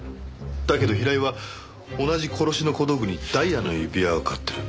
だけど平井は同じ殺しの小道具にダイヤの指輪を買ってる。